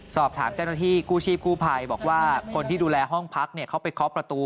สอบถามเจ้าหน้าที่กู้ชีพกู้ภัยบอกว่าคนที่ดูแลห้องพักเขาไปเคาะประตู